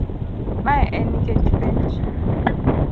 Mae en nikech penj